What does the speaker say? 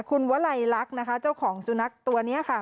คุณวลัยลักษณ์นะคะเจ้าของสุนัขตัวนี้ค่ะ